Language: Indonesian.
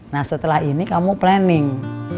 nah setelah ini kamu planning